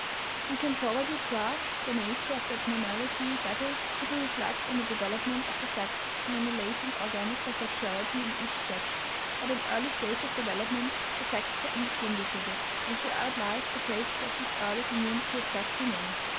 We can probably grasp the nature of the abnormality better if we reflect on the development of the sexes and on the latent organic bisexuality in each sex. At an early stage of development the sexes are indistinguishable, and throughout life the traces of this early community of sex remain.